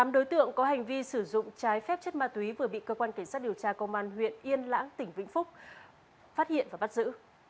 tám đối tượng có hành vi sử dụng trái phép chất ma túy vừa bị cơ quan cảnh sát điều tra công an huyện yên lãng tỉnh vĩnh phúc phát hiện và bắt giữ